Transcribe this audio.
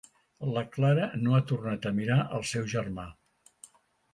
La Clara no ha tornat a mirar el seu germà.